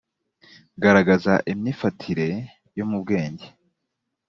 garagaza imyifatire yo mu bwenge